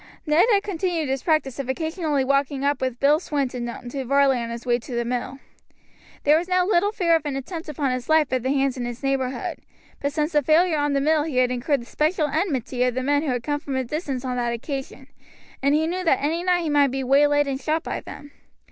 Ned had continued his practice of occasionally walking up with Bill Swinton to Varley on his way to the mill. There was now little fear of an attempt upon his life by the hands in his neighborhood; but since the failure on the mill he had incurred the special enmity of the men who had come from a distance on that occasion, and he knew that any night he might be waylaid and shot by them.